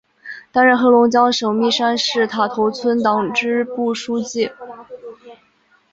担任黑龙江省密山市塔头村党支部书记。